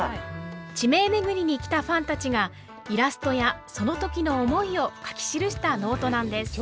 地名めぐりに来たファンたちがイラストやその時の思いを書き記したノートなんです。